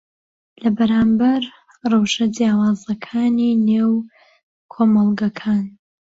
لەبەرامبەر ڕەوشە جیاوازەکانی نێو کۆمەڵگەکان